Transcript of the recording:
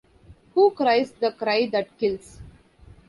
Who cries the cry that kills?